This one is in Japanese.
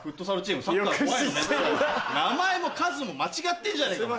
名前も数も間違ってんじゃねえかお前。